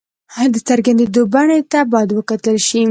د څرګندېدو بڼې ته باید وکتل شي.